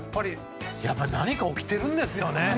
やっぱり何か起きてるんですよね。